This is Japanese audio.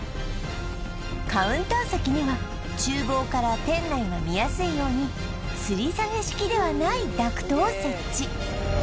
カウンター席には厨房から店内が見やすいようにつり下げ式ではないダクトを設置